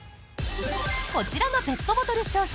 こちらのペットボトル商品。